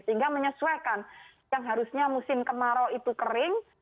sehingga menyesuaikan yang harusnya musim kemarau itu kering